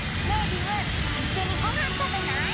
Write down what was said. リムいっしょにごはんたべない？